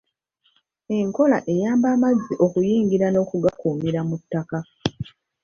Enkola eyamba amazzi okuyingira n'okugakuumira mu ttaka.